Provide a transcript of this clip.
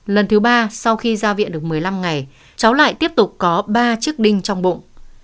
lần thứ ba sau khi ra viện được một mươi năm ngày cháu lại tiếp tục có ba chiếc đinh trong bụng